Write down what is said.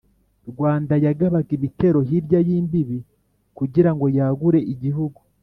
Rwanda yagabaga ibitero hirya y imbibi kugira ngo yagure igihugu